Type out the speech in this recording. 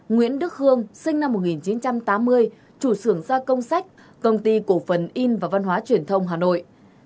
nguyễn đức hương sinh năm một nghìn chín trăm tám mươi chủ sưởng gia công sách công ty cổ phần in và văn hóa truyền thông hà nội